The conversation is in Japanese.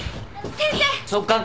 先生。